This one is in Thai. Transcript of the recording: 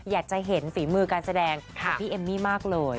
อยากจะเห็นฝีมือการแสดงของพี่เอมมี่มากเลย